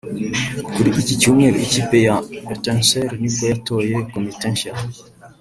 Kuri iki Cyumweru ikipe ya Etincelles ni bwo yatoye komite nshya